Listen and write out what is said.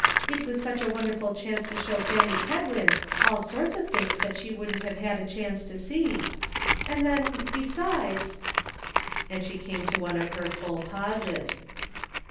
It was such a wonderful chance to show Fanny Kedwin all sorts of things that she wouldn't have had a chance to see. And then besides "— and she came to one of her full pauses.